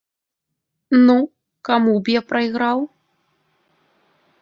Ну, каму б я прайграў?